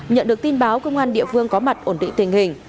nhận được tin báo công an địa phương có mặt ổn định tình hình